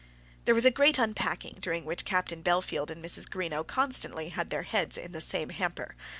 There was a great unpacking, during which Captain Bellfield and Mrs. Greenow constantly had their heads in the same hamper.